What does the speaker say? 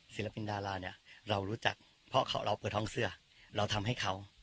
ศิลปินดาราเนี่ยเรารู้จักเพราะเราเปิดห้องเสื้อเราทำให้เขา